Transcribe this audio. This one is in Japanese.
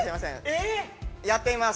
やってみます。